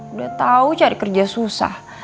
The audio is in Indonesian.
udah tahu cari kerja susah